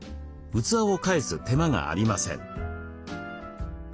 器を返す手間がありません。